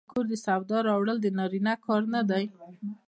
آیا د کور د سودا راوړل د نارینه کار نه دی؟